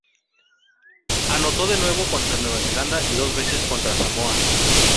Anotó de nuevo contra Nueva Zelanda, y dos veces contra Samoa.